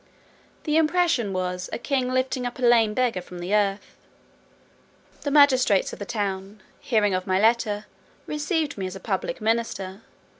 The impression was, A king lifting up a lame beggar from the earth. The magistrates of the town, hearing of my letter, received me as a public minister.